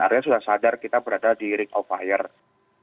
artinya sudah sadar kita berada di ring of fire